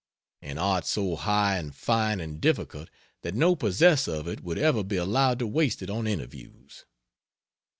An art so high and fine and difficult that no possessor of it would ever be allowed to waste it on interviews.